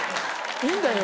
いいんだよ！